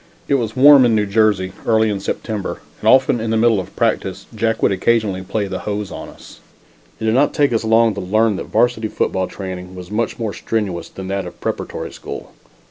It was warm in New Jersey early in September, and often in the middle of practice Jack would occasionally play the hose on us. It did not take us long to learn that varsity football training was much more strenuous than that of the preparatory school.